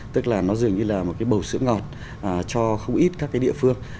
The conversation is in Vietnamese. tức là nó dường như là một cái bầu sữa ngọt cho không ít các cái địa phương